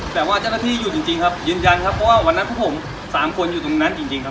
แต่ว่าเจ้าหน้าที่อยู่จริงครับยืนยันครับเพราะว่าวันนั้นพวกผมสามคนอยู่ตรงนั้นจริงครับ